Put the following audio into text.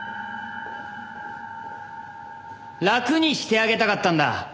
楽にしてあげたかったんだ。